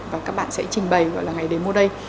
và các bạn sẽ trình bày gọi là ngày đến mua đây